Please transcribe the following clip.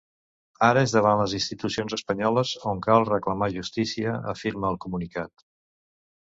Ara és davant les institucions espanyoles on cal reclamar justícia, afirma el comunicat.